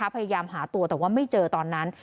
พยายามหาตัวแต่ว่าไม่เจอตอนนั้น